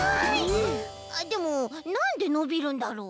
あっでもなんでのびるんだろう？